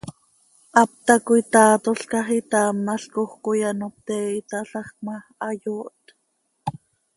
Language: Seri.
Hap tacoi taatolca, itaamalcoj coi ano pte itaalajc ma, hayooht.